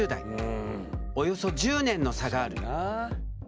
およそ１０年の差がある。